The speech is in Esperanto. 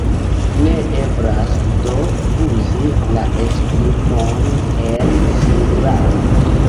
Ne eblas do uzi la esprimon en singularo.